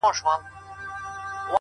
o ږيره زما، اختيار ئې د بل.